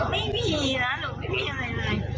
ไม่มีนะหนูไม่มีอะไรเลย